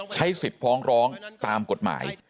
ใช้สิทธิ์ฟ้องร้องตามกฎหมาย